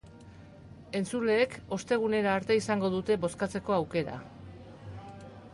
Entzuleek ostegunera arte izango dute bozkatzeko aukera.